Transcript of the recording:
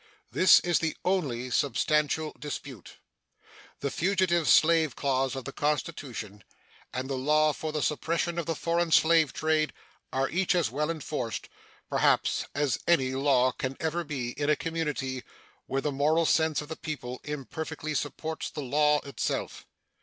This is the only substantial dispute. The fugitive slave clause of the Constitution and the law for the suppression of the foreign slave trade are each as well enforced, perhaps, as any law can ever be in a community where the moral sense of the people imperfectly supports the law itself.